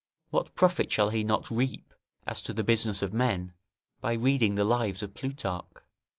What profit shall he not reap as to the business of men, by reading the Lives of Plutarch?